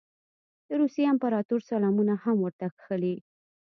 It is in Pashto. د روسیې د امپراطور سلامونه هم ورته کښلي.